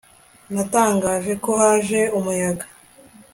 batangaje ko haje umuyaga